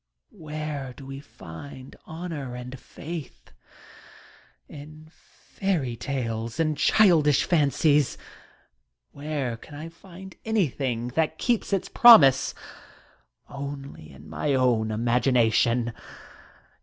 Where do\ we find honour and faith ? In fairy tales and childish fancies. \ Where can I find anything that keeps its promise ? Only in > my own imagination